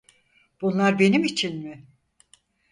Bunlar benim için mi?